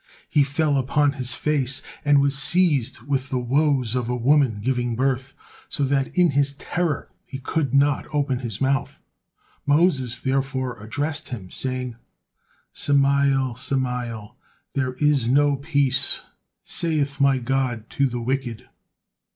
He fell upon his face, and was seized with the woes of a woman giving birth, so that in his terror he could not open his mouth. Moses therefore addressed him, saying: "Samael, Samael! 'There is no peace, saith my God, to the wicked!'